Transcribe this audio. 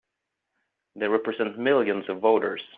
They represent millions of voters!